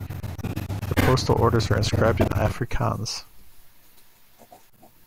The postal orders are inscribed in Afrikaans.